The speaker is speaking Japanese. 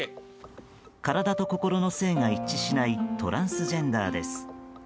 体と心の性が一致しないトランスジェンダーです。